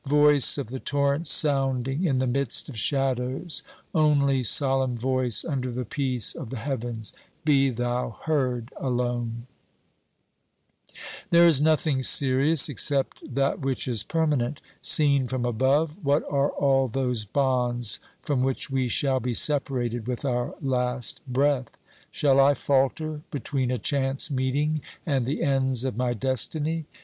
Voice of the torrent sounding in the midst of shadows, only solemn voice under the peace of the heavens, be thou heard alone ! There is nothing serious except that which is permanent. Seen from above, what are all those bonds from which we shall be separated with our last breath? Shall I falter between a chance meeting and the ends of my destiny?